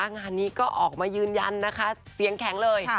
งานนี้ก็ออกมายืนยันนะคะเสียงแข็งเลย